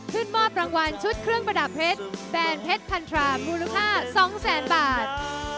มอบรางวัลชุดเครื่องประดับเพชรแบรนด์เพชรพันธรามูลค่า๒แสนบาท